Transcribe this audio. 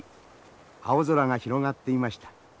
青空が広がっていました。